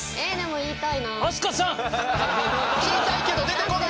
言いたいけど出てこない。